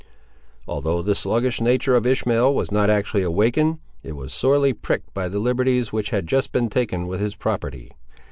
Although the sluggish nature of Ishmael was not actually awakened, it was sorely pricked by the liberties which had just been taken with his property.